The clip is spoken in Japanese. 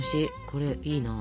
これいいな。